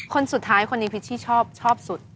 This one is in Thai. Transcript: คนสุดท้ายคนนี้พิชชี่ชอบสุด